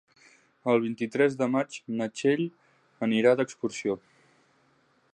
El vint-i-tres de maig na Txell anirà d'excursió.